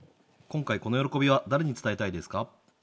今回この喜びは誰に伝えたいですか？